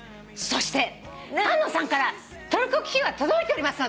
そして菅野さんからトルコキキョウが届いておりますので。